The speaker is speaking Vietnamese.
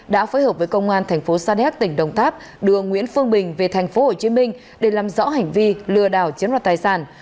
đã phối hợp với công an tp sadec tỉnh đồng tháp đưa nguyễn phương bình về tp hcm để làm rõ hành vi lừa đảo chiến đoạt tài sản